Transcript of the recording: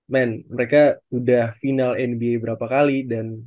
men mereka udah final nba berapa kali